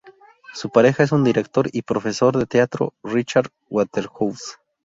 Su pareja es un director y profesor de teatro, Richard Waterhouse.